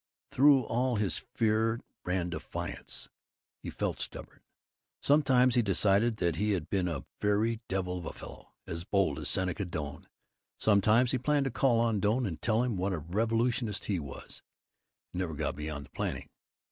Through all his fear ran defiance. He felt stubborn. Sometimes he decided that he had been a very devil of a fellow, as bold as Seneca Doane; sometimes he planned to call on Doane and tell him what a revolutionist he was, and never got beyond the planning.